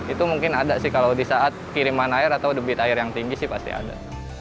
itu mungkin ada sih kalau di saat kiriman air atau debit air yang tinggi sih pasti ada